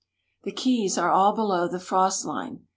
The keys are all below the frost line.